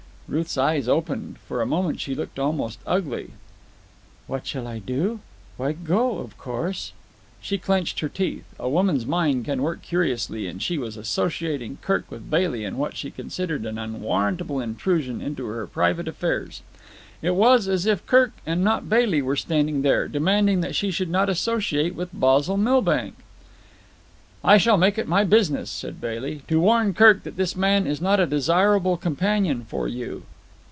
Ruth's eyes opened. For a moment she looked almost ugly. "What shall I do? Why, go, of course." She clenched her teeth. A woman's mind can work curiously, and she was associating Kirk with Bailey in what she considered an unwarrantable intrusion into her private affairs. It was as if Kirk, and not Bailey, were standing there, demanding that she should not associate with Basil Milbank. "I shall make it my business," said Bailey, "to warn Kirk that this man is not a desirable companion for you."